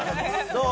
どう？